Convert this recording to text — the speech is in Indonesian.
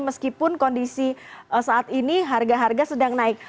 meskipun kondisi saat ini harga harga sedang naik